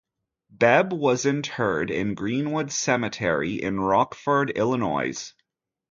Bebb was interred in Greenwood Cemetery in Rockford, Illinois.